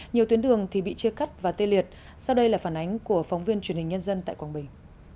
nhiều tuyến đường thì bị chia cắt và tê liệt sau đây là phản ánh của phóng viên truyền hình nhân dân tại quảng bình